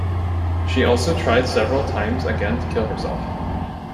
She also tried several times again to kill herself.